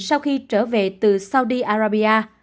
sau khi trở về từ saudi arabia